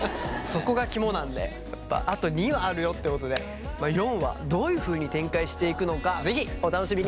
そこが肝なんでやっぱあと２話あるよってことで４話どういうふうに展開していくのか是非お楽しみに。